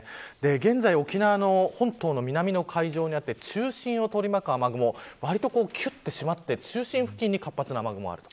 現在、沖縄の本島の南の海上にあって中心を取り巻く雨雲わりときゅっと締まって中心付近に活発な雨雲がある。